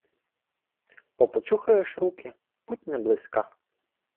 — Попочухаєш руки, путь не близька.